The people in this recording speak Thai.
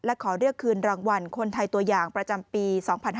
และขอเรียกคืนรางวัลคนไทยตัวอย่างประจำปี๒๕๕๙